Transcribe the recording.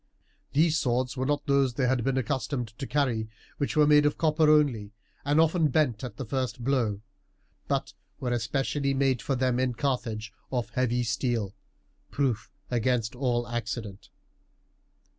These swords were not those they had been accustomed to carry, which were made of copper only, and often bent at the first blow, but were especially made for them in Carthage of heavy steel, proof against all accident.